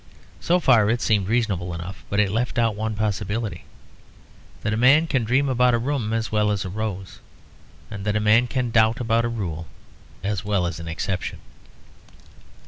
So far it seemed reasonable enough. But it left out one possibility; that a man can dream about a room as well as a rose; and that a man can doubt about a rule as well as an exception.